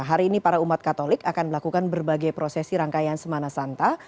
hari ini para umat katolik akan melakukan berbagai prosesi rangkaian semana santa